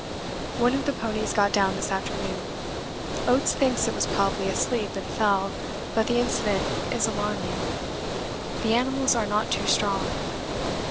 One of the ponies got down this afternoon Oates thinks it was probably asleep and fell, but the incident is alarming; the animals are not too strong.